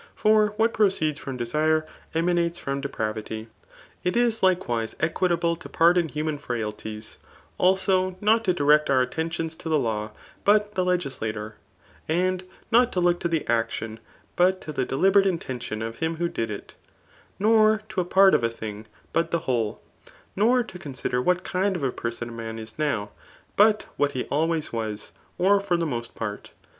For what proceeds from destrCf* emanates from depravity. It is likewise ' Whsathe whole seal is cmisidered asdfvided into rmuon^angert 84 THE ART OF BOOK k equitable to pardon human [frailties.] Also not to direct our attention to the law, but the legislator. And not to look to the action, but to the deliberate in tention of him who did it. Nor to a part of a thing but the whole. Nor to consider what kind of a person a man is now, but what he always was, or for the most part.